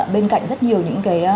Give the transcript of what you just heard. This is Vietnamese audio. bên cạnh rất nhiều những cái